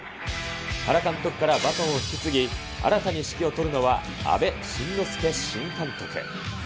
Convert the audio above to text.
原監督からバトンを引き継ぎ、新たに指揮を執るのは、阿部慎之助新監督。